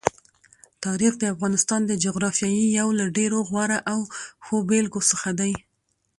تاریخ د افغانستان د جغرافیې یو له ډېرو غوره او ښو بېلګو څخه دی.